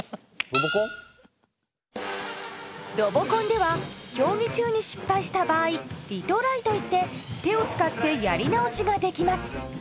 ロボコンでは競技中に失敗した場合「リトライ」といって手を使ってやりなおしができます。